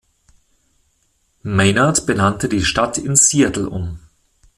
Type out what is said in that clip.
Maynard benannte die Stadt in Seattle um.